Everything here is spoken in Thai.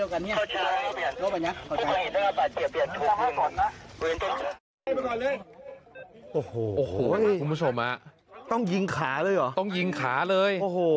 โอ้โหคุณผู้ชมต้องยิงขาเลยเหรอต้องยิงขาเลยโอ้โห